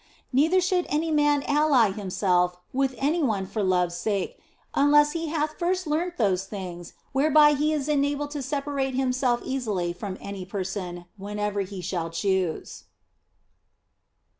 Neither should any man ally himself with any one for love s sake, unless he hath first learnt those things whereby he is enabled to separate himself easily from any person when ever he shall choose.